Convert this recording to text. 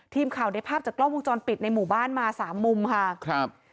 ทีมข่าวได้ภาพจากกล้องวงจรปิดในหมู่บ้านมาสามมุมค่ะครับ